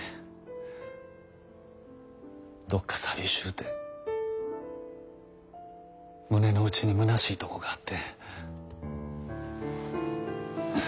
どっか寂しうて胸の内にむなしいとこがあって。